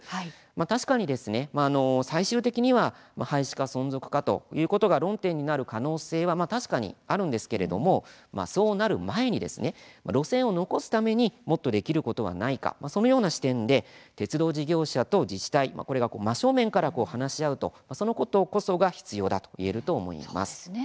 確かに最終的には廃止か存続かということが論点になる可能性はあるんですけれどもそうなる前に路線を残すためにもっとできることはないかそのような視点で鉄道事業者と自治体これが真正面から話し合うということが必要だと言えると思います。